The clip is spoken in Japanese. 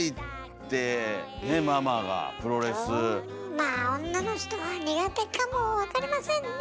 まあ女の人は苦手かも分かりませんね。